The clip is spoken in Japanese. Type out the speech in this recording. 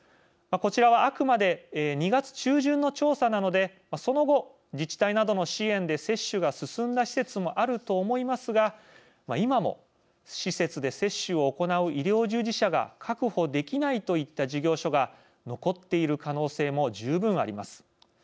こちらはあくまで２月中旬の調査なのでその後、自治体などの支援で接種が進んだ施設もあると思いますが今も、施設で接種を行う医療従事者が確保できないといった事業所が残っている可能性も十分あります。